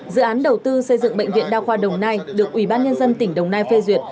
dự án đầu tư xây dựng bệnh viện đa khoa đồng nai được ủy ban nhân dân tỉnh đồng nai phê duyệt